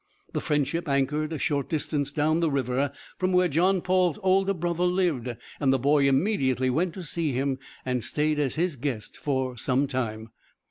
The Friendship anchored a short distance down the river from where John Paul's older brother lived, and the boy immediately went to see him and stayed as his guest for some time.